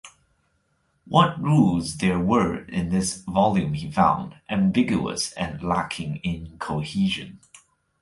What rules there were in this volume he found ambiguous and lacking in cohesion.